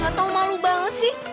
gak tau malu banget sih